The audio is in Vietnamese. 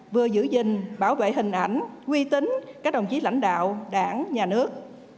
vừa giữ gìn bảo vệ hình ảnh quy tính các đồng chí lãnh đạo đảng nhà nước